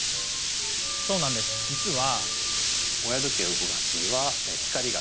そうなんです、実は。